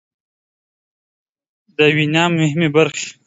د وينا مهمې برخې